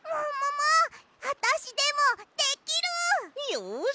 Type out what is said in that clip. よし。